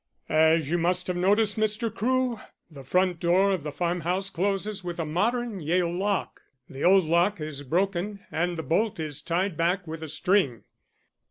"As you must have noticed, Mr. Crewe, the front door of the farmhouse closes with a modern Yale lock; the old lock is broken and the bolt is tied back with a string.